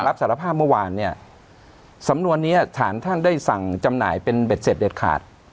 สารภาพเมื่อวานเนี่ยสำนวนนี้ฐานท่านได้สั่งจำหน่ายเป็นเบ็ดเสร็จเด็ดขาด